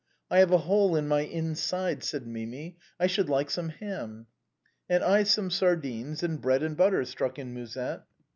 I have a hole in my inside," said Mimi ;" I should like some ham." " And I some sardines, and bread and butter," struck in Musette.